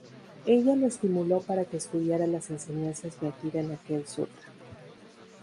Ella lo estimuló para que estudiara las enseñanzas vertidas en aquel Sutra.